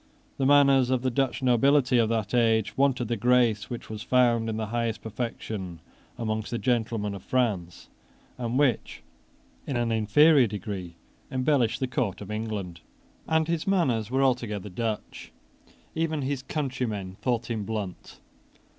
The manners of the Dutch nobility of that age wanted the grace which was found in the highest perfection among the gentlemen of France, and which, in an inferior degree, embellished the Court of England; and his manners were altogether Dutch. Even his countrymen thought him blunt.